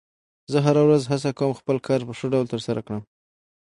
زه هره ورځ هڅه کوم خپل کار په ښه ډول ترسره کړم